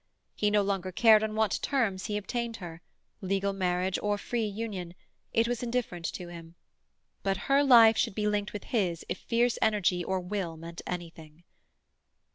He no longer cared on what terms he obtained her—legal marriage or free union—it was indifferent to him. But her life should be linked with his if fierce energy of will meant anything.